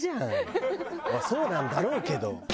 そうなんだろうけど。